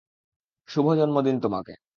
শুভ জন্মদিন তোমাকে!